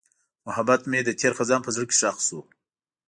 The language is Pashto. محبت مې د تېر خزان په زړه کې ښخ شو.